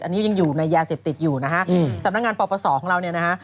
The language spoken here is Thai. อันนี้ยังอยู่ในยาเสพติดอยู่นะฮะสำนักงานปปศของเราเนี่ยนะฮะ